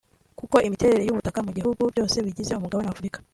kuko imiterere y’ubutaka mu bihugu byose bigize umugabane w’Afurika